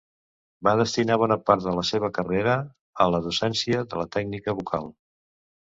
Va destinar bona part de la seva carrera a la docència de la tècnica vocal.